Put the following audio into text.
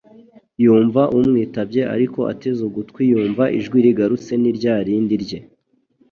yumva umwitabye ariko ateze ugutwi yumva ijwi rigarutse ni rya rindi rye,